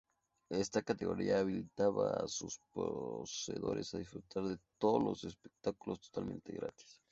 Esa categoría habilitaba a sus poseedores a disfrutar de todos los espectáculos totalmente gratis.